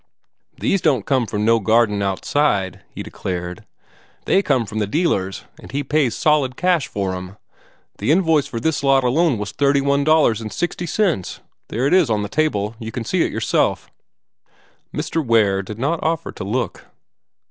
"These don't come from no garden outside," he declared. "They come from the dealers', and he pays solid cash for 'em. The invoice for this lot alone was thirty one dollars and sixty cents. There it is on the table. You can see it for yourself." Mr. Ware did not offer to look.